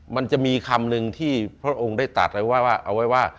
มันจะมีคำหนึ่งที่พระองค์ได้ตัดเอาไว้ว่า